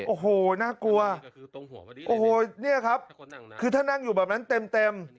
โอ้โหน่ากลัวโอ้โหเนี่ยครับคือถ้านั่งอยู่แบบนั้นเต็มเต็ม